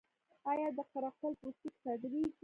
آیا د قره قل پوستکي صادریږي؟